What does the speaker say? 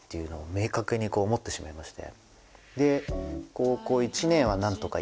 明確に思ってしまいまして。